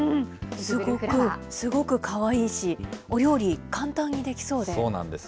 すごく、すごくかわいいし、お料理、そうなんです。